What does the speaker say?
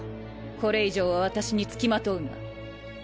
これ以上は私につきまとうな。